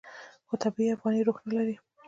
خو طبیعي افغاني روح نه لري.